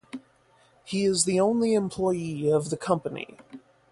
He is the only employee of the company.